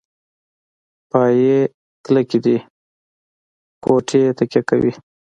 پایې کلکې دي کوټې تکیه کوي.